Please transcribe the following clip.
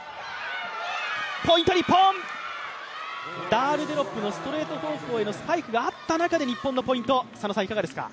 ダールデロップのストレート方向へのスパイクがあった中で日本のポイント、いかがですか。